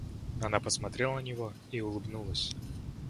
Она посмотрела на него и улыбнулась.